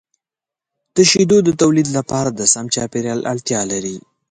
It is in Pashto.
د شیدو د تولید لپاره د سم چاپیریال اړتیا لري.